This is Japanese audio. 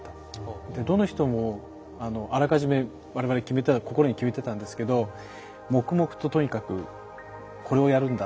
どの人もあらかじめ我々心に決めてたんですけど黙々ととにかくこれをやるんだと。